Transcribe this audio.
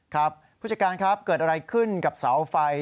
ผู้จัดการครับเกิดอะไรขึ้นกับเสาไฟ